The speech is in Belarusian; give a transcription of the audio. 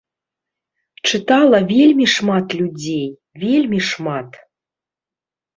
Чытала вельмі шмат людзей, вельмі шмат!